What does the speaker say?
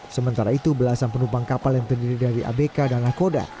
sementara itu belasan penumpang kapal yang terdiri dari abk dan nakoda